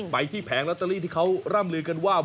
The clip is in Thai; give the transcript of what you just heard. ไปที่แผงลอตเตอรี่ที่เขาร่ำลือกันว่า